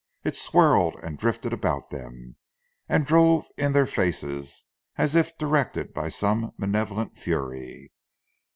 It swirled and drifted about them and drove in their faces as if directed by some malevolent fury.